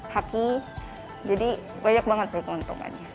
kaki jadi banyak banget sih keuntungannya